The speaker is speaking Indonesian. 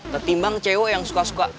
ketimbang cewek yang suka suka